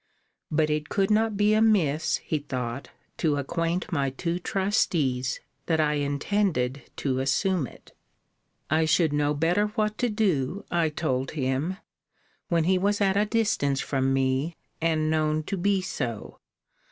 But it could not be amiss, he thought, to acquaint my two trustees, that I intended to assume it. * See Letter XIX. of this volume. I should know better what to do, I told him, when he was at a distance from me, and known to be so.